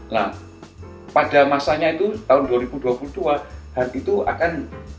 nah pada masanya itu tahun dua ribu dua puluh dua hal itu akan